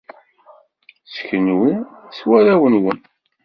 S kunwi, s warraw-nwen!